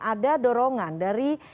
ada dorongan dari